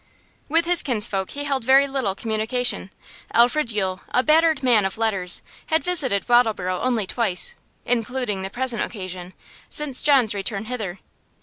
With his kinsfolk he held very little communication. Alfred Yule, a battered man of letters, had visited Wattleborough only twice (including the present occasion) since John's return hither.